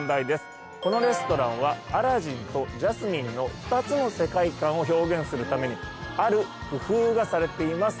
このレストランはアラジンとジャスミンの２つの世界観を表現するためにある工夫がされています。